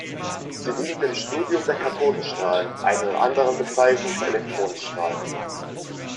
Sie dient dem Studium der Kathodenstrahlen, einer anderen Bezeichnung für Elektronenstrahlen.